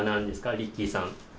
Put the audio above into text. リッキーさん。